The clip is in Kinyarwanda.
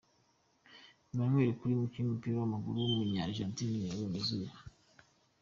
Emmanuel Culio, umukinnyi w’umupira w’amaguru w’umunya Argentine yabonye izuba.